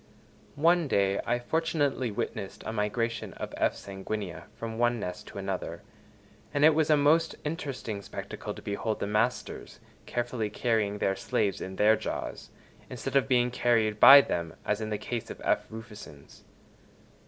One day I fortunately witnessed a migration of F. sanguinea from one nest to another, and it was a most interesting spectacle to behold the masters carefully carrying their slaves in their jaws instead of being carried by them, as in the case of F. rufescens.